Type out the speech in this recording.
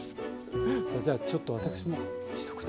それじゃあちょっと私も一口。